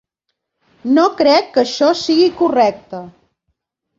No crec que això sigui correcte.